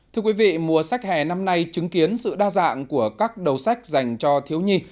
thưa quý vị mùa sách hè năm nay chứng kiến sự đa dạng của các đầu sách dành cho thiếu nhi